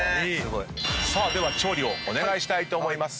さあでは調理をお願いしたいと思います。